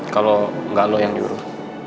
kalau nggak lo yang nyuruh